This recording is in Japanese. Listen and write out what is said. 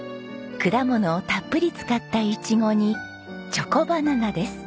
果物をたっぷり使ったいちごにチョコバナナです。